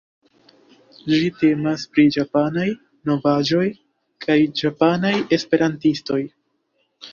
Ĝi temas pri Japanaj novaĵoj kaj japanaj esperantistoj.